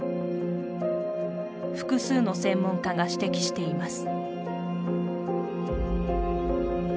複数の専門家が指摘しています。